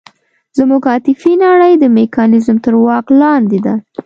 زموږ عاطفي نړۍ د میکانیزم تر واک لاندې ده.